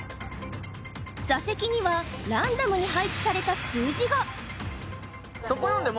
座席にはランダムに配置された数字が番号何番まである？